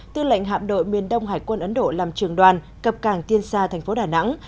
tư lệnh hạm đội miền đông hải quân ấn độ làm trường đoàn cập cảng tiên xa thành phố đà nẵng